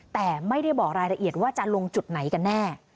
แต่ไม่ได้บอกรายละเอียดว่าจะลงจุดไหนกันแน่